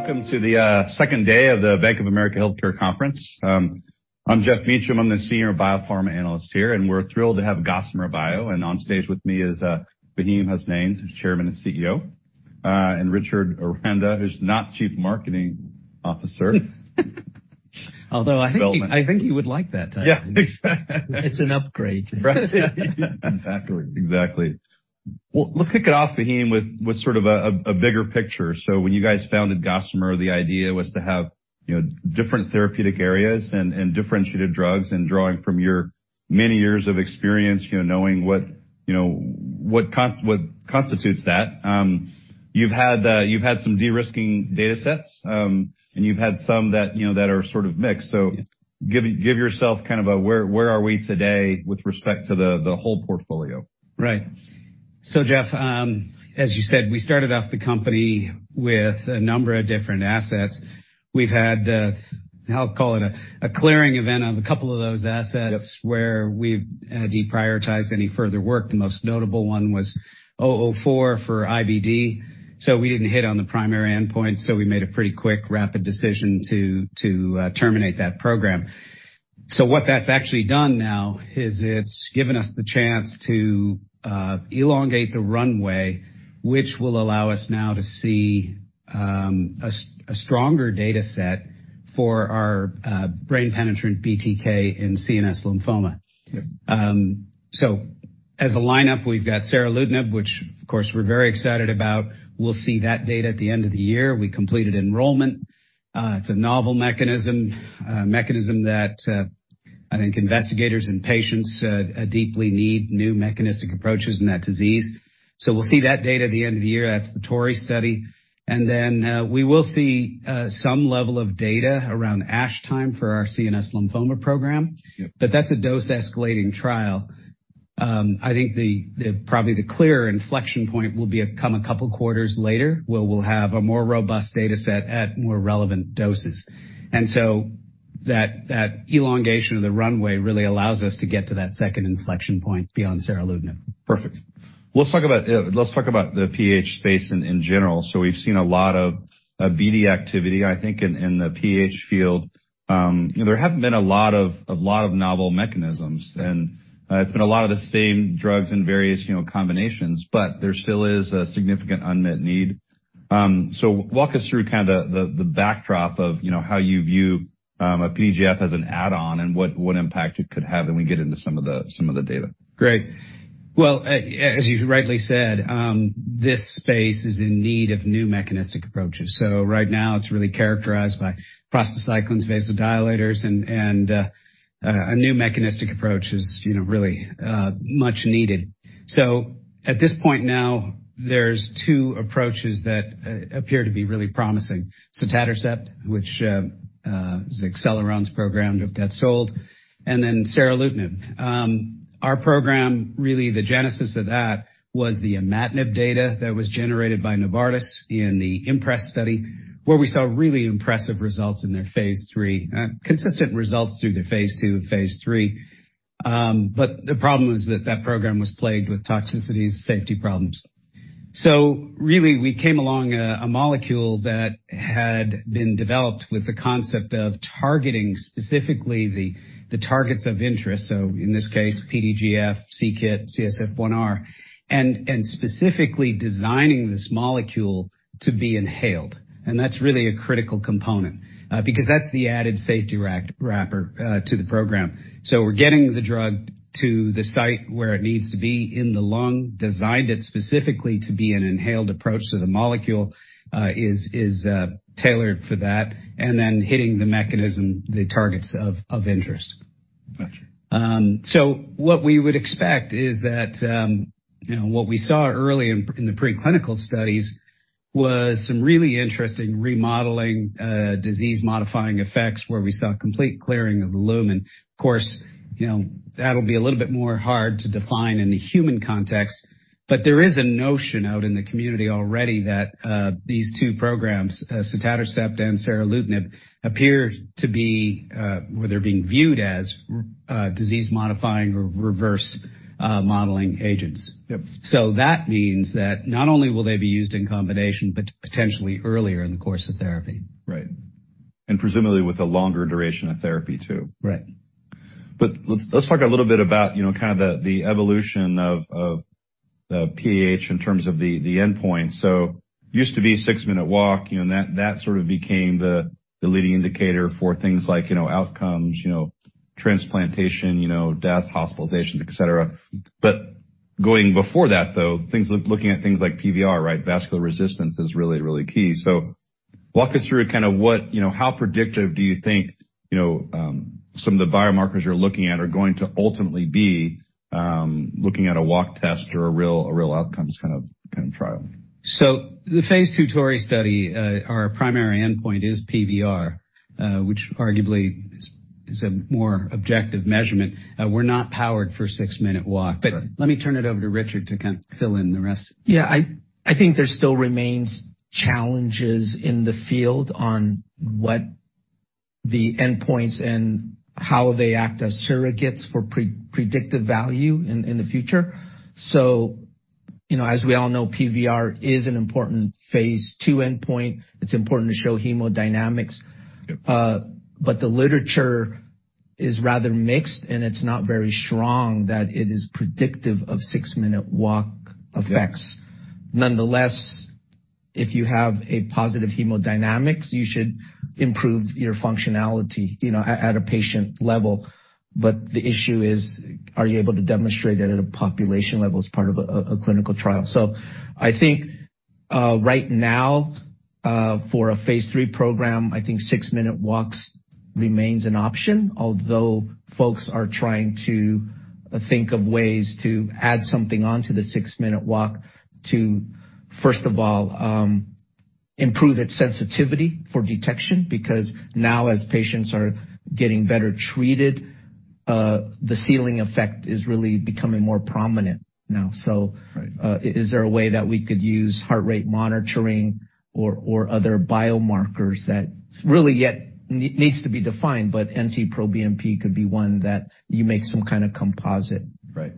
Welcome to the second day of the Bank of America Healthcare Conference. I'm Geoff Meacham, I'm the Senior Biopharma Analyst here, and we're thrilled to have Gossamer Bio. On stage with me is Faheem Hasnain, who's Chairman and CEO, and Richard Aranda, who's Chief Medical Officer. Although I think. Development. I think he would like that title. Yeah. It's an upgrade. Right. Exactly. Exactly. Well, let's kick it off, Faheem, with sort of a bigger picture. When you guys founded Gossamer, the idea was to have, you know, different therapeutic areas and differentiated drugs and drawing from your many years of experience, you know, knowing what you know what constitutes that. You've had some de-risking data sets, and you've had some that, you know, that are sort of mixed. Yeah. Give yourself kind of a where are we today with respect to the whole portfolio? Right. Geoff, as you said, we started off the company with a number of different assets. We've had, I'll call it a clearing event of a couple of those assets. Yep. Where we've deprioritized any further work. The most notable one was GB004 for IBD. We didn't hit on the primary endpoint, so we made a pretty quick, rapid decision to terminate that program. What that's actually done now is it's given us the chance to elongate the runway, which will allow us now to see a stronger data set for our brain penetrant BTK in CNS lymphoma. Yep. As a lineup, we've got seralutinib, which of course we're very excited about. We'll see that data at the end of the year. We completed enrollment. It's a novel mechanism that I think investigators and patients deeply need new mechanistic approaches in that disease. We'll see that data at the end of the year. That's the TORREY study. We will see some level of data around ASH time for our CNS lymphoma program. Yep. That's a dose escalating trial. I think probably the clearer inflection point will become a couple quarters later where we'll have a more robust data set at more relevant doses. That elongation of the runway really allows us to get to that second inflection point beyond seralutinib. Perfect. Let's talk about the PH space in general. We've seen a lot of BD activity, I think, in the PH field. You know, there haven't been a lot of novel mechanisms, and it's been a lot of the same drugs and various, you know, combinations, but there still is a significant unmet need. Walk us through the backdrop of, you know, how you view a PDGFR as an add-on and what impact it could have, and we get into some of the data. Great. Well, as you rightly said, this space is in need of new mechanistic approaches. Right now it's really characterized by prostacyclins, vasodilators and a new mechanistic approach is, you know, really much needed. At this point now, there's 2 approaches that appear to be really promising. Sotatercept, which is Acceleron's program that sold, and then seralutinib. Our program, really the genesis of that was the imatinib data that was generated by Novartis in the IMPRES study, where we saw really impressive results in their phase 3. Consistent results through to phase 2 and phase 3. The problem was that program was plagued with toxicities, safety problems. Really we came along a molecule that had been developed with the concept of targeting specifically the targets of interest, so in this case PDGFR, c-KIT, CSF1R, and specifically designing this molecule to be inhaled. That's really a critical component, because that's the added safety wrapper to the program. We're getting the drug to the site where it needs to be in the lung, designed it specifically to be an inhaled approach to the molecule, is tailored for that, and then hitting the mechanism, the targets of interest. Gotcha. What we would expect is that, you know, what we saw early in the preclinical studies was some really interesting remodeling disease modifying effects where we saw complete clearing of the lumen. Of course, you know, that'll be a little bit more hard to define in the human context, but there is a notion out in the community already that these two programs, sotatercept and seralutinib, appear to be where they're being viewed as disease modifying or reverse remodeling agents. Yep. that means that not only will they be used in combination, but potentially earlier in the course of therapy. Right. Presumably with a longer duration of therapy too. Right. Let's talk a little bit about, you know, kinda the evolution of PAH in terms of the endpoint. Used to be six-minute walk, you know, and that sort of became the leading indicator for things like, you know, outcomes, you know, transplantation, you know, death, hospitalizations, et cetera. Going before that, though, things like looking at things like PVR, right? Vascular resistance is really key. Walk us through kinda what, you know, how predictive do you think, you know, some of the biomarkers you're looking at are going to ultimately be, looking at a walk test or a real outcomes kind of trial? The phase 2 TORREY study, our primary endpoint is PVR, which arguably is a more objective measurement. We're not powered for six-minute walk. Right. Let me turn it over to Richard to kinda fill in the rest. I think there still remains challenges in the field on what the endpoints and how they act as surrogates for predictive value in the future. You know, as we all know, PVR is an important phase 2 endpoint. It's important to show hemodynamics. Yep. The literature is rather mixed, and it's not very strong that it is predictive of six-minute walk effects. Nonetheless, if you have a positive hemodynamics, you should improve your functionality, you know, at a patient level. The issue is, are you able to demonstrate it at a population level as part of a clinical trial? I think right now, for a phase three program, I think six-minute walks remains an option. Although folks are trying to think of ways to add something onto the six-minute walk to first of all improve its sensitivity for detection, because now as patients are getting better treated, the ceiling effect is really becoming more prominent now. Right. Is there a way that we could use heart rate monitoring or other biomarkers that really yet needs to be defined, but NT-proBNP could be one that you make some kinda composite? Right.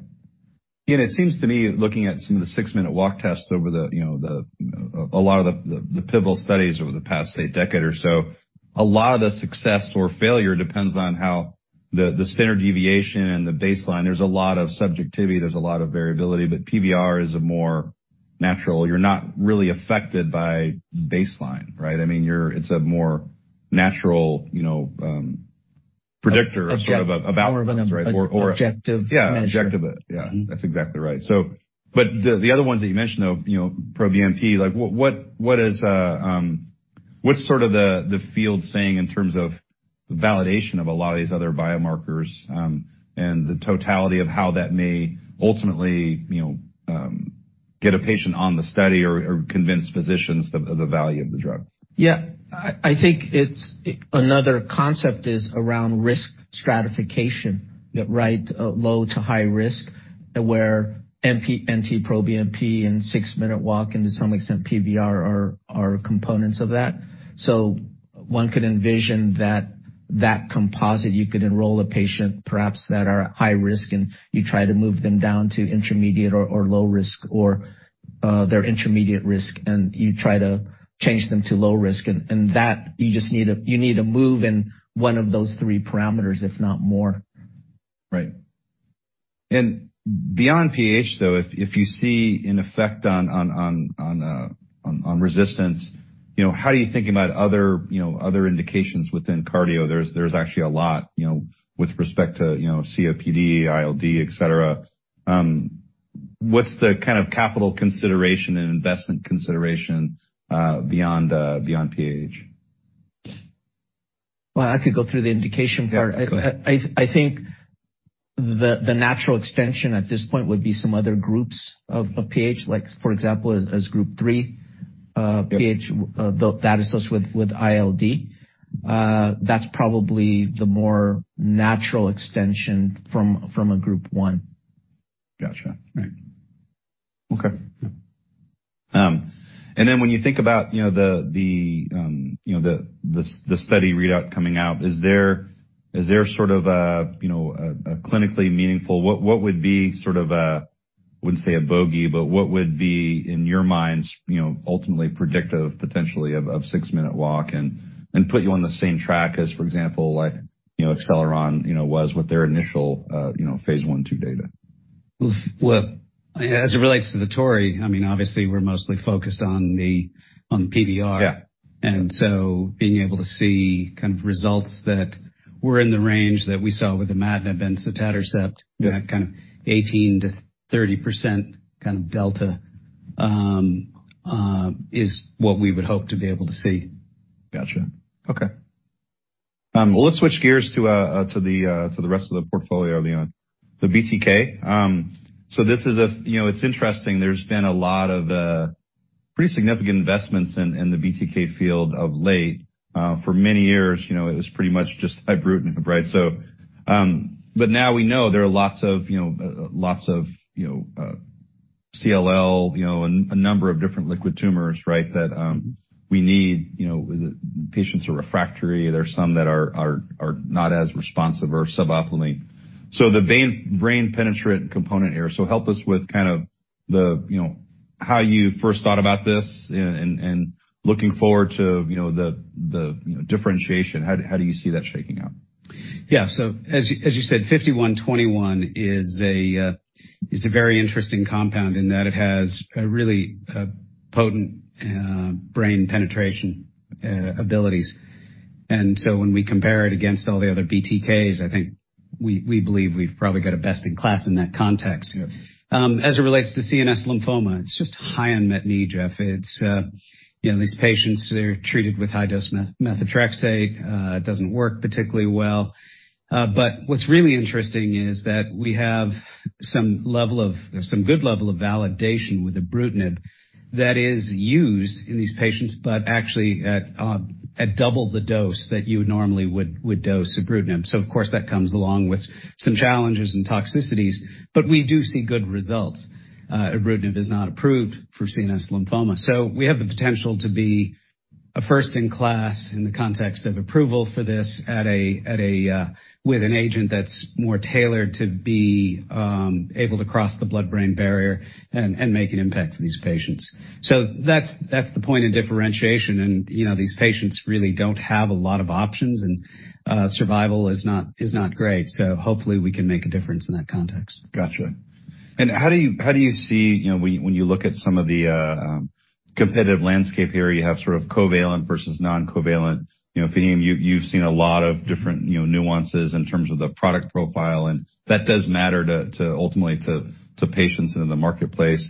You know, it seems to me looking at some of the six-minute walk tests over the, you know, a lot of the pivotal studies over the past, say, decade or so, a lot of the success or failure depends on how the standard deviation and the baseline. There's a lot of subjectivity, there's a lot of variability, but PVR is a more natural. You're not really affected by baseline, right? I mean, it's a more natural, you know, predictor of sort of a. More of an objective measure. Yeah, objective. Yeah, that's exactly right. But the other ones that you mentioned, though, you know, NT-proBNP, like what's sort of the field saying in terms of the validation of a lot of these other biomarkers, and the totality of how that may ultimately, you know, get a patient on the study or convince physicians the value of the drug? Yeah. I think it's another concept is around risk stratification. Yep. Right? Low to high risk, where NT-proBNP and six-minute walk and to some extent PVR are components of that. One could envision that composite, you could enroll a patient perhaps that are at high risk, and you try to move them down to intermediate or low risk, they're intermediate risk and you try to change them to low risk. You just need a move in one of those three parameters, if not more. Right. Beyond PH though, if you see an effect on resistance, you know, how are you thinking about other indications within cardio? There's actually a lot, you know, with respect to, you know, COPD, ILD, et cetera. What's the kind of capital consideration and investment consideration beyond PH? Well, I could go through the indication part. Yeah, go ahead. I think the natural extension at this point would be some other groups of PH, like for example, as group three, PH. Yeah. that associates with ILD. That's probably the more natural extension from a group one. Gotcha. Right. Okay. When you think about you know the study readout coming out, is there sort of a you know a clinically meaningful. What would be sort of a, I wouldn't say a bogey, but what would be in your minds you know ultimately predictive potentially of six-minute walk and put you on the same track as, for example, like you know Acceleron was with their initial you know phase 1, 2 data? Well, as it relates to the TORREY, I mean, obviously we're mostly focused on the, on PVR. Yeah. Being able to see kind of results that were in the range that we saw with sotatercept. Yeah. That kind of 18%-30% kind of delta is what we would hope to be able to see. Gotcha. Okay. Well, let's switch gears to the rest of the portfolio, Leon. The BTK. You know, it's interesting. There's been a lot of pretty significant investments in the BTK field of late. For many years, you know, it was pretty much just ibrutinib, right? Now we know there are lots of, you know, CLL, you know, a number of different liquid tumors, right? That we need, you know, patients are refractory. There are some that are not as responsive or suboptimally. The brain-penetrant component here. Help us with kind of the, you know, how you first thought about this and looking forward to, you know, the differentiation. How do you see that shaking out? As you said, GB5121 is a very interesting compound in that it has a really potent brain penetration abilities. When we compare it against all the other BTKs, I think we believe we've probably got a best in class in that context. Yeah. As it relates to CNS lymphoma, it's just high unmet need, Geoff. It's, you know, these patients, they're treated with high-dose methotrexate. It doesn't work particularly well. What's really interesting is that we have some good level of validation with ibrutinib that is used in these patients, but actually at double the dose that you normally would dose ibrutinib. Of course, that comes along with some challenges and toxicities, but we do see good results. Ibrutinib is not approved for CNS lymphoma. We have the potential to be a first in class in the context of approval for this at a with an agent that's more tailored to be able to cross the blood-brain barrier and make an impact for these patients. That's the point of differentiation, and, you know, these patients really don't have a lot of options, and, survival is not great. Hopefully, we can make a difference in that context. Gotcha. How do you see, you know, when you look at some of the competitive landscape here, you have sort of covalent versus non-covalent, you know, Faheem, you've seen a lot of different, you know, nuances in terms of the product profile, and that does matter ultimately to patients and in the marketplace.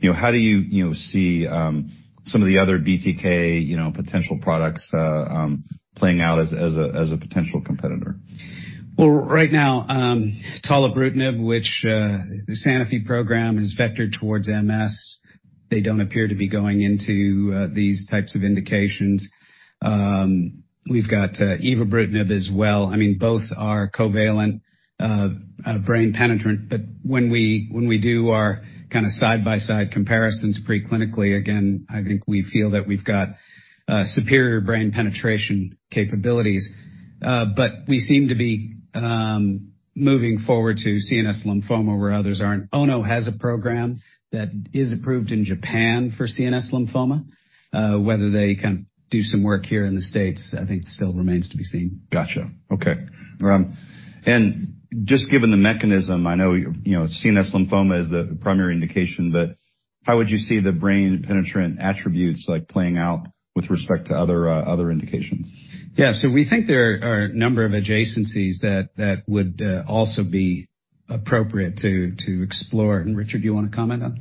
You know, how do you see some of the other BTK potential products playing out as a potential competitor? Well, right now, tolebrutinib, which the Sanofi program is vectored towards MS. They don't appear to be going into these types of indications. We've got ibrutinib as well. I mean, both are covalent brain penetrant, but when we do our kinda side-by-side comparisons pre-clinically, again, I think we feel that we've got superior brain penetration capabilities. We seem to be moving forward to CNS lymphoma where others aren't. Ono has a program that is approved in Japan for CNS lymphoma. Whether they can do some work here in the States, I think still remains to be seen. Gotcha. Okay. Just given the mechanism, I know, you know, CNS lymphoma is the primary indication, but how would you see the brain penetrant attributes, like, playing out with respect to other indications? Yeah. We think there are a number of adjacencies that would also be appropriate to explore. Richard, do you wanna comment on?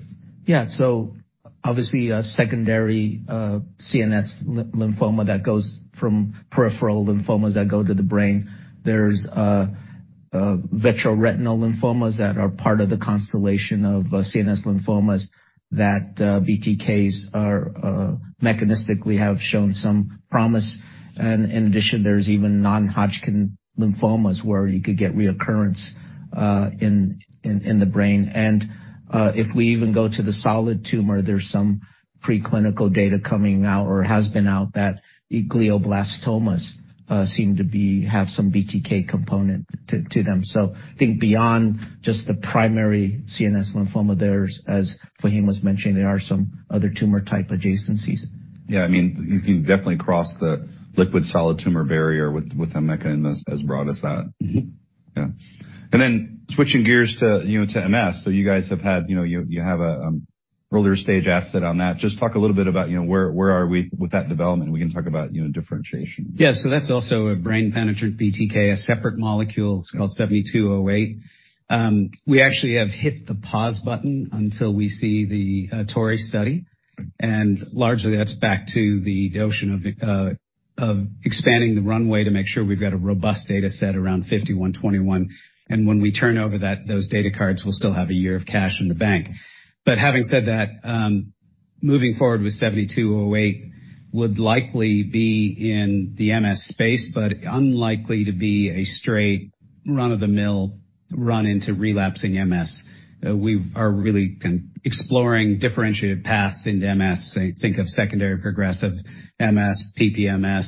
Obviously, secondary CNS lymphoma that goes from peripheral lymphomas that go to the brain. There's vitreoretinal lymphomas that are part of the constellation of CNS lymphomas that BTKs are mechanistically have shown some promise. In addition, there's even non-Hodgkin lymphomas where you could get recurrence in the brain. If we even go to the solid tumor, there's some preclinical data coming out or has been out that glioblastomas seem to have some BTK component to them. I think beyond just the primary CNS lymphoma, there's, as Faheem was mentioning, there are some other tumor type adjacencies. Yeah. I mean, you can definitely cross the blood-brain barrier with a mechanism as broad as that. Mm-hmm. Yeah. Switching gears to, you know, to MS. You guys have had, you know, you have earlier stage asset on that. Just talk a little bit about, you know, where are we with that development? We can talk about, you know, differentiation. Yeah. That's also a brain-penetrant BTK, a separate molecule. It's called 7208. We actually have hit the pause button until we see the TORREY study. Largely, that's back to the notion of expanding the runway to make sure we've got a robust data set around 5121. When we turn over that, those data cards, we'll still have a year of cash in the bank. Having said that, moving forward with 7208 would likely be in the MS space, but unlikely to be a straight run-of-the-mill run into relapsing MS. We are really exploring differentiated paths into MS. Think of secondary progressive MS, PPMS,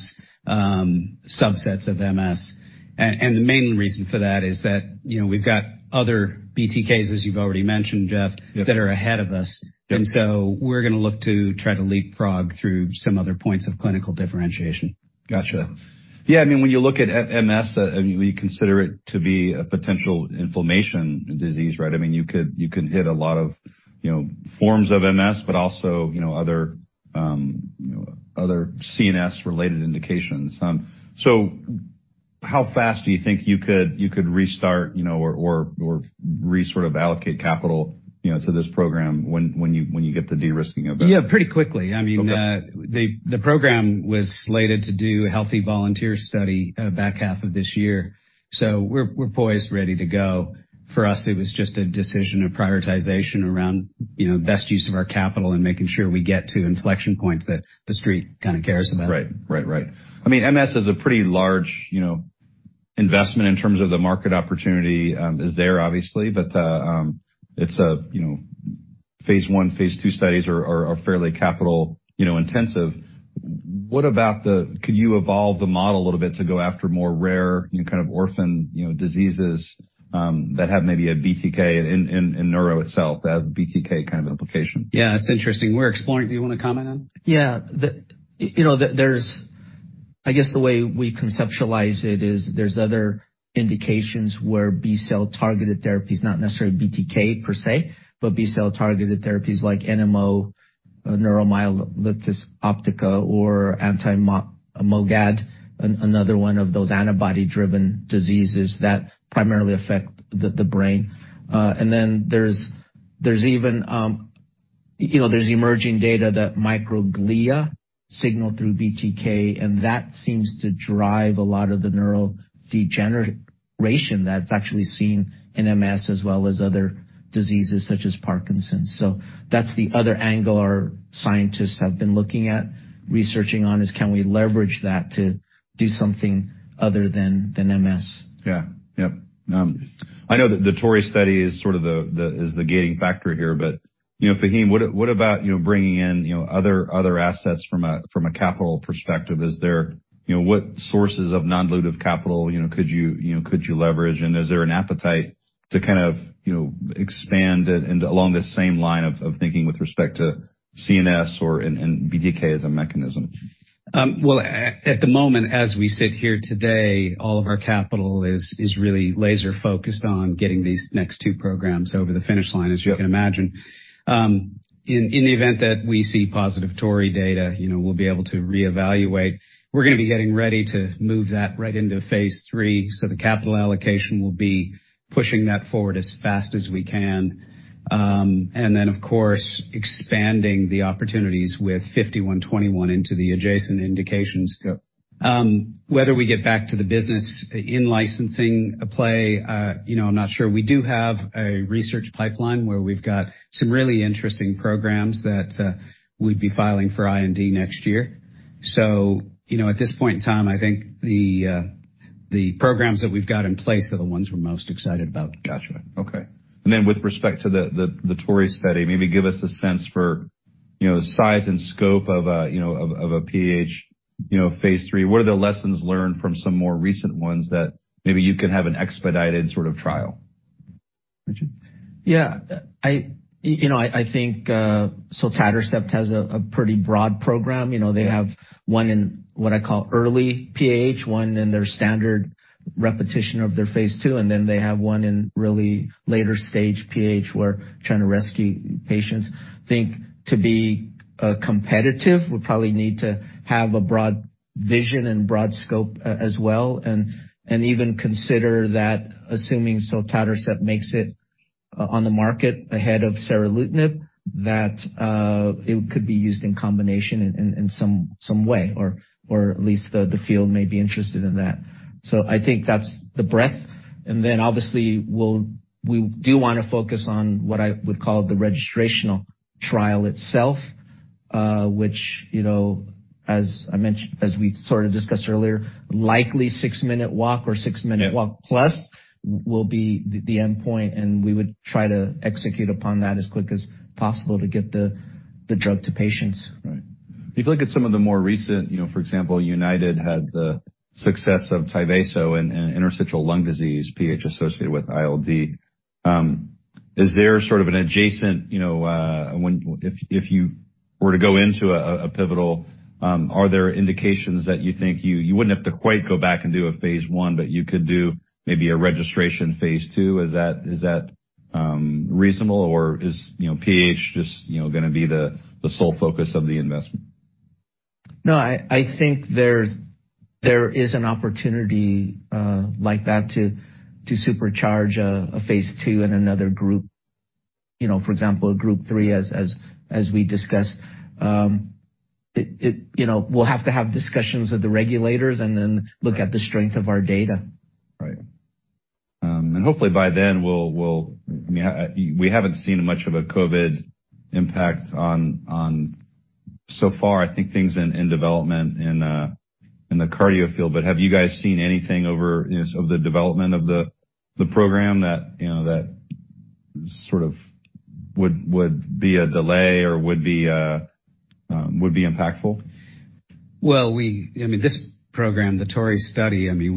subsets of MS. The main reason for that is that, you know, we've got other BTKs, as you've already mentioned, Geoff. Yep. that are ahead of us. Yep. We're gonna look to try to leapfrog through some other points of clinical differentiation. Gotcha. Yeah, I mean, when you look at MS, and you consider it to be a potential inflammatory disease, right? I mean, you can hit a lot of, you know, forms of MS, but also, you know, other CNS-related indications. How fast do you think you could restart, you know, or sort of allocate capital, you know, to this program when you get the de-risking of it? Yeah, pretty quickly. Okay. I mean, the program was slated to do healthy volunteer study, back half of this year, so we're poised, ready to go. For us, it was just a decision of prioritization around, you know, best use of our capital and making sure we get to inflection points that the street kinda cares about. Right. I mean, MS is a pretty large, you know, investment in terms of the market opportunity, it's there obviously, but it's a, you know, phase one, phase two studies are fairly capital, you know, intensive. What about could you evolve the model a little bit to go after more rare, you know, kind of orphan, you know, diseases that have maybe a BTK in neuro itself, that BTK kind of implication? Yeah, it's interesting. We're exploring. Do you wanna comment on? You know, I guess the way we conceptualize it is there are other indications where B-cell-targeted therapies, not necessarily BTK per se, but B-cell-targeted therapies like NMO, neuromyelitis optica, or MOGAD, another one of those antibody-driven diseases that primarily affect the brain. Then there's even you know, there's emerging data that microglia signal through BTK, and that seems to drive a lot of the neural degeneration that's actually seen in MS as well as other diseases such as Parkinson's. That's the other angle our scientists have been looking at researching on, is can we leverage that to do something other than MS. I know that the TORREY study is sort of the gating factor here. You know, Faheem, what about bringing in other assets from a capital perspective? You know, what sources of non-dilutive capital could you leverage? And is there an appetite to kind of expand it and along the same line of thinking with respect to CNS or and BTK as a mechanism? Well, at the moment, as we sit here today, all of our capital is really laser-focused on getting these next two programs over the finish line, as you can imagine. In the event that we see positive TORREY data, you know, we'll be able to reevaluate. We're gonna be getting ready to move that right into phase 3, so the capital allocation will be pushing that forward as fast as we can. Of course, expanding the opportunities with GB5121 into the adjacent indications. Whether we get back to the business in-licensing a play, you know, I'm not sure. We do have a research pipeline where we've got some really interesting programs that we'd be filing for IND next year. you know, at this point in time, I think the programs that we've got in place are the ones we're most excited about. Gotcha. Okay. With respect to the TORREY study, maybe give us a sense for, you know, size and scope of, you know, of a PH, you know, phase 3. What are the lessons learned from some more recent ones that maybe you could have an expedited sort of trial? Richard? Yeah. I think Acceleron has a pretty broad program. You know, they have one in what I call early PH, one in their standard PAH population of their phase 2, and then they have one in really later stage PH, where they're trying to rescue patients. To be competitive, we probably need to have a broad vision and broad scope as well, and even consider that assuming sotatercept makes it on the market ahead of seralutinib, that it could be used in combination in some way, or at least the field may be interested in that. I think that's the breadth. Obviously, we do wanna focus on what I would call the registrational trial itself, which, you know, as we sort of discussed earlier, likely six-minute walk or six-minute walk plus will be the endpoint, and we would try to execute upon that as quick as possible to get the drug to patients. Right. If you look at some of the more recent, you know, for example, United had the success of Tyvaso in interstitial lung disease, PH associated with ILD. Is there sort of an adjacent, you know, if you were to go into a pivotal, are there indications that you think you wouldn't have to quite go back and do a phase one, but you could do maybe a registration phase two? Is that reasonable, or is you know PH just you know gonna be the sole focus of the investment? No, I think there is an opportunity like that to supercharge a phase 2 in another group. You know, for example, group 3 as we discussed. You know, we'll have to have discussions with the regulators and then look at the strength of our data. Right. Hopefully by then, we'll. I mean, we haven't seen much of a COVID impact on so far. I think things in development in the cardio field, but have you guys seen anything over, you know, of the development of the program that, you know, that sort of would be a delay or would be impactful? Well, I mean, this program, the TORREY study, I mean,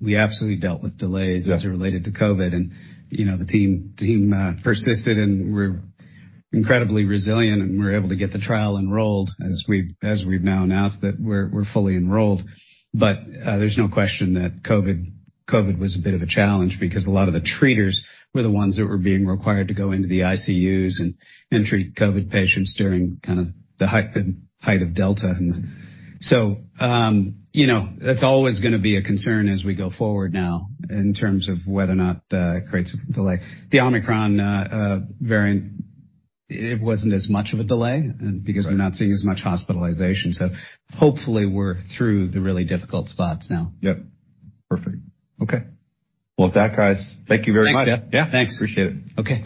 we absolutely dealt with delays as it related to COVID. You know, the team persisted, and we're incredibly resilient, and we're able to get the trial enrolled as we've now announced that we're fully enrolled. There's no question that COVID was a bit of a challenge because a lot of the treaters were the ones that were being required to go into the ICUs and treat COVID patients during kind of the height of Delta. You know, that's always gonna be a concern as we go forward now in terms of whether or not it creates a delay. The Omicron variant, it wasn't as much of a delay and because we're not seeing as much hospitalization. Hopefully we're through the really difficult spots now. Yep. Perfect. Okay. Well, with that, guys, thank you very much. Yeah. Thanks. Appreciate it. Okay.